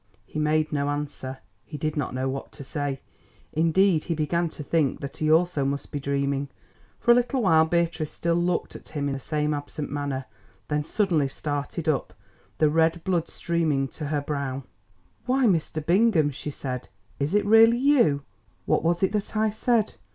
He made no answer, he did not know what to say; indeed he began to think that he also must be dreaming. For a little while Beatrice still looked at him in the same absent manner, then suddenly started up, the red blood streaming to her brow. "Why, Mr. Bingham," she said, "is it really you? What was it that I said?